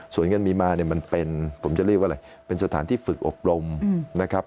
ส่วนเงินมีมาเนี่ยมันเป็นผมจะเรียกว่าอะไรเป็นสถานที่ฝึกอบรมนะครับ